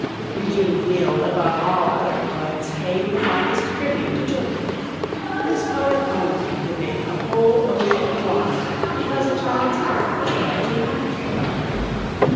Eugene Field, above all other poets, paid the finest tribute to children. This poet only, could make the whole ocean warm because a child's heart was there to warm it.